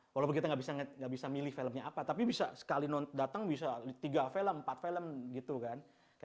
walaupun kita nggak bisa milih filmnya apa tapi bisa sekali datang bisa tiga film empat film gitu kan